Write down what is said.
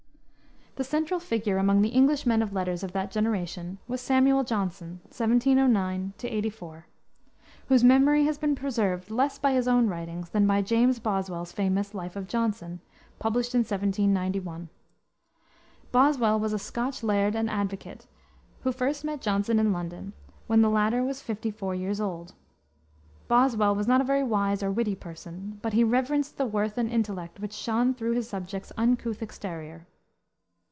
The central figure among the English men of letters of that generation was Samuel Johnson (1709 84), whose memory has been preserved less by his own writings than by James Boswell's famous Life of Johnson, published in 1791. Boswell was a Scotch laird and advocate, who first met Johnson in London, when the latter was fifty four years old. Boswell was not a very wise or witty person, but he reverenced the worth and intellect which shone through his subject's uncouth exterior.